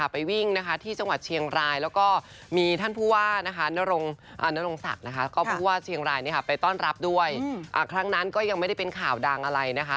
พี่ตูนด้วยในสนับสนุนเครื่องมือแพทย์นั่นเองค่ะ